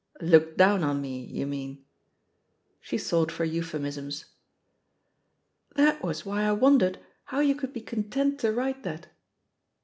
"Looked down on me, you mean? She sought for euphemisms. "That was why I wondered how you could be content to write that."